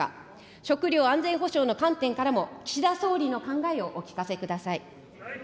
食料安全保障の観点からも、岸田総理の考えをお聞かせください。